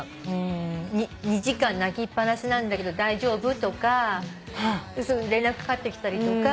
２時間泣きっぱなしなんだけど大丈夫？とか連絡かかってきたりとか。